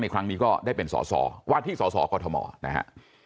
อีกครั้งนี้ก็ได้เป็นสสว่าที่สสกฎหมอนะฮะ